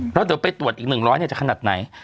เราเดี๋ยวไปตรวจอีก๑๐๐แห่งจะขนาดไหน